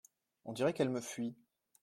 On dirait qu’elle me fuit.